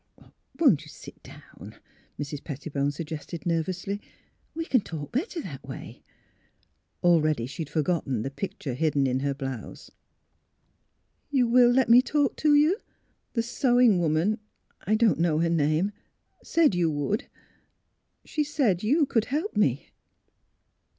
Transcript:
" Won't you — sit do^vn," Mrs. Pettibone sug gested, nervously. "We can talk better that way. '' Already she had forgotten the picture hidden in her blouse. " You will let me talk to you? The sewing woman — I don't know her name — said you would. She said you could help me."